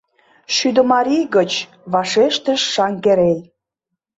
— Шӱдымарий гыч, — вашештыш Шаҥгерей.